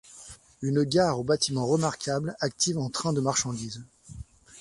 Une gare aux bâtiments remarquables, active en trains de marchandises.